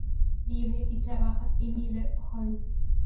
Vive y trabaja en Nieder-Olm.